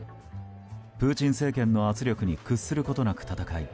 プーチン政権の圧力に屈することなく戦い